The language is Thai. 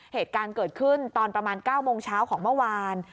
เหตุการณ์เกิดขึ้นตอนประมาณ๙โมงเช้าของเมื่อวาน